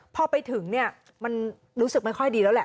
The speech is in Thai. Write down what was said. พอไปถึงเนี่ยมันรู้สึกไม่ค่อยดีแล้วแหละ